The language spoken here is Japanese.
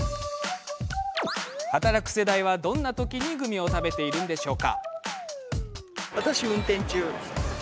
働く世代は、どんな時にグミを食べているのでしょうか。